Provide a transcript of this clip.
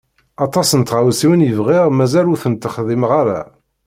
Aṭas n tɣawsiwin i bɣiɣ mazal ur tent-xdimeɣ ara.